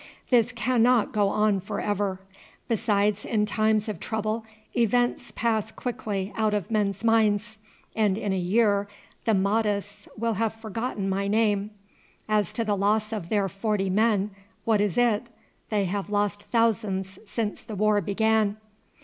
This cannot go on for ever. Besides, in times of trouble events pass quickly out of men's minds, and in a year the Mahdists will have forgotten my name. As to the loss of their forty men, what is it? They have lost thousands since the war began."